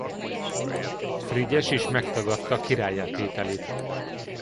Frigyes is megtagadta királlyá tételét.